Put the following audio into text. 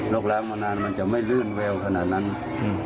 กล้างมานานมันจะไม่ลื่นแววขนาดนั้นอืม